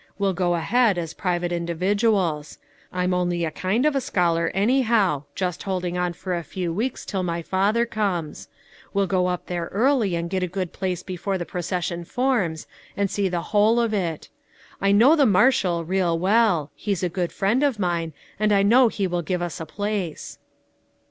We'll go ahead, as private individu als; I'm only a kind of a scholar, anyhow, just holding on for a few weeks till my father comes ; we'll go up there early and get a good place be fore the procession forms and see the whole of it. I know the marshal real well ; he's a good friend of mine, and I know he will give us a place."